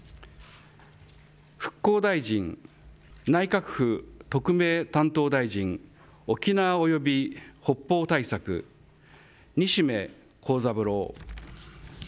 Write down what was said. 復興大臣、内閣府特命担当大臣、沖縄及び北方対策、西銘恒三郎。